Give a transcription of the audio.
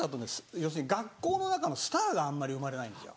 要するに学校の中のスターがあんまり生まれないんですよ。